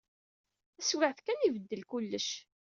Taswiɛt kan, ibeddel kullec.